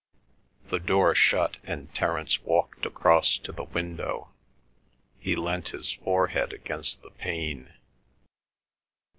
The door shut and Terence walked across to the window. He leant his forehead against the pane.